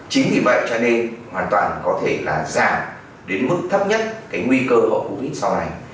chính vì vậy cho nên hoàn toàn có thể là giảm đến mức thấp nhất cái nguy cơ của covid sau này